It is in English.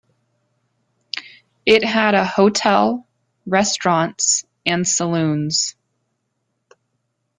It had a hotel, restaurants, and saloons.